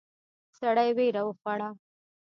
سړی وېره وخوړه.